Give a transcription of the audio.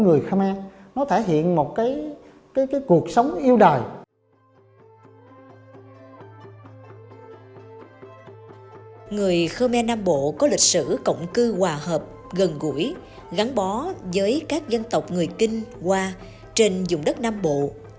người khmer nam bộ có lịch sử cộng cư hòa hợp gần gũi gắn bó với các dân tộc người kinh hoa trên dùng đất nam bộ